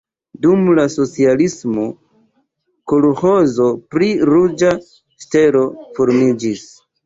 Dum la socialismo kolĥozo pri Ruĝa Stelo formiĝis.